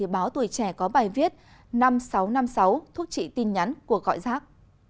báo tuổi trẻ có bài viết năm nghìn sáu trăm năm mươi sáu thuốc trị tin nhắn của gọi rác